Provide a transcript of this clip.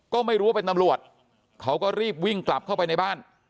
ก็ไม่รู้ว่าเป็นตำรวจเขาก็รีบวิ่งกลับเข้าไปในบ้าน